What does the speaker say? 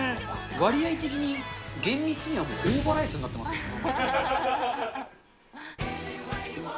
割合的に、厳密には大葉ライスになってますけどね。